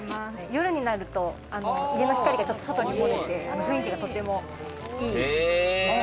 夜になると家の光がちょっと外に漏れて、雰囲気がとてもいい。